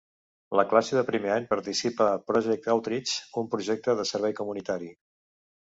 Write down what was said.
La classe de primer any participa a Project Outreach, un projecte de servei comunitari.